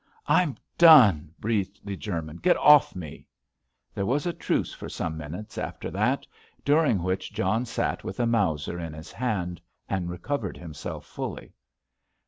"I'm done," breathed the German, "get off me...." There was a truce for some minutes after that, during which John sat with a Mauser in his hand, and recovered himself fully.